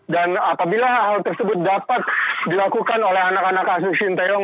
apabila hal tersebut dapat dilakukan oleh anak anak asli sinteyong